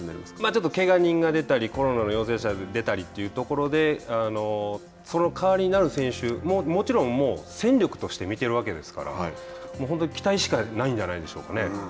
ちょっとけが人が出たりコロナの陽性者が出たりということでその代わりになる選手ももちろん、もう戦力として見てるわけですから本当に期待しかないんじゃないでしょうかね。